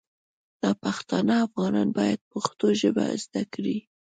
ناپښتانه افغانان باید پښتو ژبه زده کړي